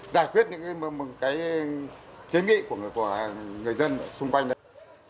giải quyết những cái kiến nghị của người dân xung quanh đấy